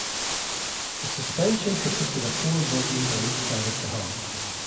The suspension consisted of four bogies on each side of the hull.